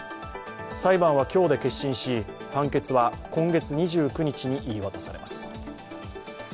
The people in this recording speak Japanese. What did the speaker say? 裁判は今日で結審し判決は今月２９日に言い渡されます。